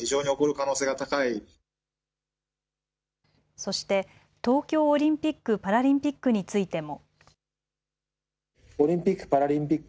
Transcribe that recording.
そして東京オリンピック・パラリンピックについても。